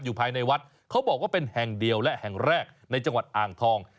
ภายในวัดเขาบอกว่าเป็นแห่งเดียวและแห่งแรกในจังหวัดอ่างทอง